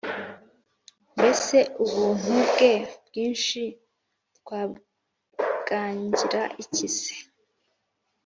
Mbese Ubuntu bwe bwinshi twabwangira iki se?